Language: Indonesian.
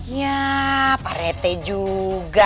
ya parete juga